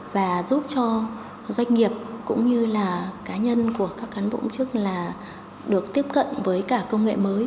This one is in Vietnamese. và giúp cho doanh nghiệp cũng như là cá nhân của các cán bộ công chức là được tiếp cận với cả công nghệ mới